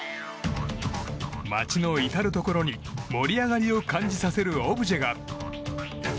街の至るところに盛り上がりを感じさせるオブジェが。